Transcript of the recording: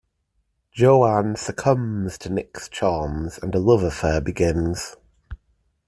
Jo Ann succumbs to Nick's charms and a love affair begins.